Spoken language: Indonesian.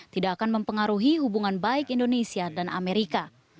tidak akan mempengaruhi hubungan baik indonesia dan amerika